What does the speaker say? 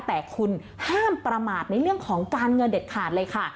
แต่คุณห้ามประมาทในเรื่องของการเงินเด็ดขาดเลยค่ะ